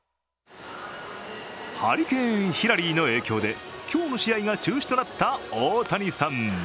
ハリケーン、ヒラリーの影響で今日の試合が中止となった大谷さん。